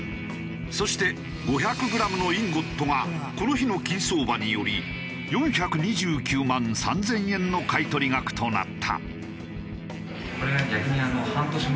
そして５００グラムのインゴットがこの日の金相場により４２９万３０００円の買い取り額となった。